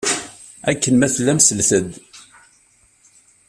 Akken ma tellam, slet-d!